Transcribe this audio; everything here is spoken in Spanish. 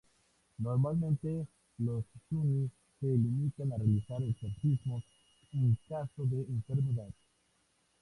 Normalmente los suni se limitan a realizar exorcismos en caso de enfermedad.